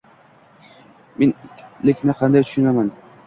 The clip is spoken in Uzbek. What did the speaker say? Men ikkitillilikni qanday tushunaman?